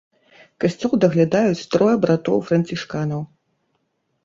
Касцёл даглядаюць трое братоў-францішканаў.